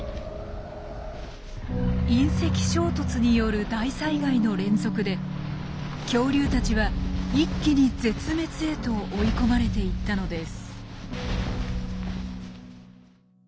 隕石衝突による大災害の連続で恐竜たちは一気に絶滅へと追い込まれていったのです。